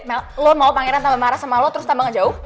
mel lo mau pangeran tambah marah sama lo terus tambah jauh